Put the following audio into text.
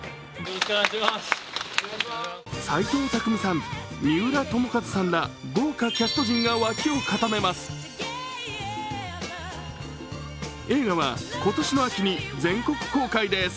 斎藤工さん、三浦友和さんら豪華キャスト陣が脇を固めます。